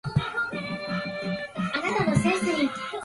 県西地域活性化プロジェクトの推進